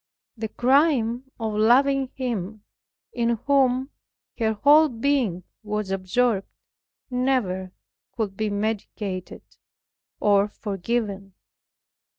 The crime of loving Him in whom her whole being was absorbed, never could be mitigated, or forgiven.